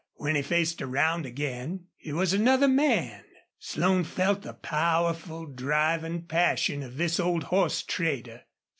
When he faced around again he was another man. Slone felt the powerful driving passion of this old horse trader.